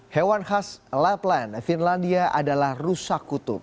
hewan khas lapland finlandia adalah rusa kutub